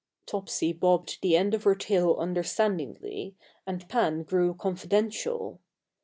Topsy bobbed the end of her tail understandingly, and Pan grew confidential.